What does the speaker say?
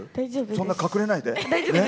そんなに隠れないで。